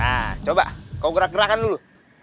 nah coba kau gerak gerakan dulu